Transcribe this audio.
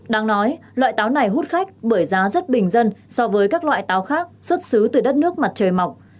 đang nói loại táo này hút khách bởi giá rất bình dân so với các loại táo khác xuất xứ từ đất nước mặt trời mọc